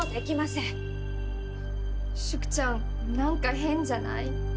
淑ちゃんなんか変じゃない？